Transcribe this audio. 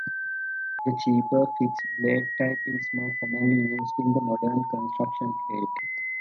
The cheaper, fixed-blade type is more commonly used in the modern construction trade.